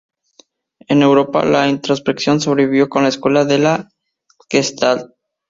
En Europa la introspección sobrevivió con la escuela de la Gestalt.